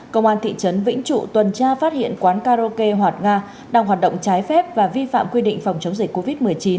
công an thị trấn vĩnh trụ tuần tra phát hiện quán karaoke hoạt nga đang hoạt động trái phép và vi phạm quy định phòng chống dịch covid một mươi chín